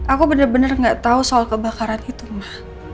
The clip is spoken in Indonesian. aku bener bener gak tau soal kebakaran itu ma